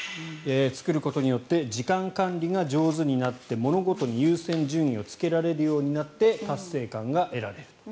作ることによって時間管理が上手になって物事に優先順位をつけられるようになって達成感が得られると。